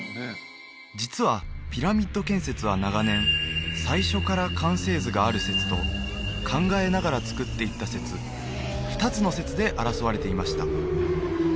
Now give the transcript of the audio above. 実はピラミッド建設は長年最初から完成図がある説と考えながら造っていった説２つの説で争われていました